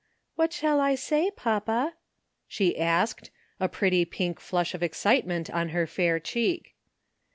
''What shall I say, papa?" she asked, a pretty pink flush of excitement on her fair cheek.